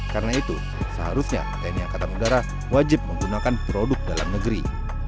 karena itu seharusnya tni angkatan udara wajib menggunakan produk dalam negeri